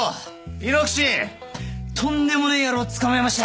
亥ノ吉とんでもねぇ野郎を捕まえました